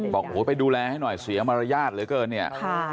บอกโอ้โหไปดูแลให้หน่อยเสียมารยาทเหลือเกินเนี่ย